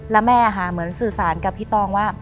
แล้วแม่ค่ะเหมือนสื่อสารกับพี่ตองว่า